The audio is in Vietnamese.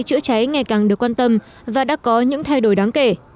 chữa cháy ngày càng được quan tâm và đã có những thay đổi đáng kể